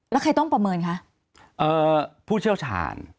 แล้วใครต้องประเมินคะ